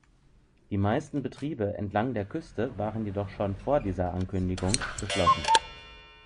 Die meisten Betriebe entlang der Küste waren jedoch schon vor dieser Ankündigung geschlossen.